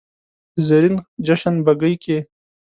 د زرین جشن بګۍ کې